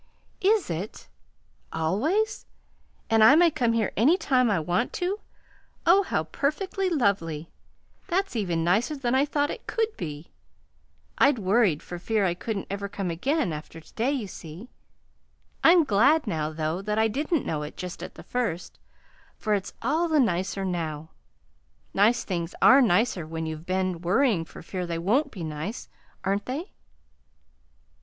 "Is it? Always? And I may come here any time I want to? Oh, how perfectly lovely! That's even nicer than I thought it could be. I'd worried for fear I couldn't ever come again, after to day, you see. I'm glad now, though, that I didn't know it just at the first, for it's all the nicer now. Nice things are nicer when you've been worrying for fear they won't be nice, aren't they?"